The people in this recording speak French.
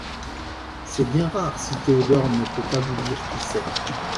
C’est bien rare si Théodore ne peut pas vous dire qui c’est.